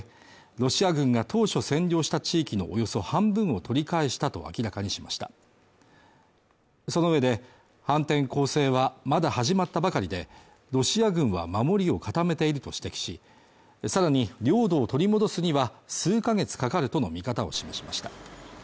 ロシア軍が当初占領した地域のおよそ半分を取り返したと明らかにしましたその上で反転攻勢はまだ始まったばかりでロシア軍は守りを固めていると指摘しさらに領土を取り戻すには数カ月かかるとの見方を示しました